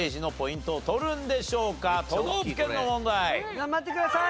頑張ってください！